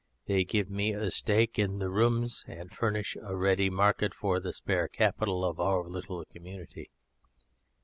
They give me a stake in the rooms and furnish a ready market for the spare capital of our little community.